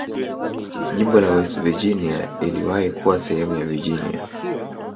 Jimbo la West Virginia iliwahi kuwa sehemu ya Virginia.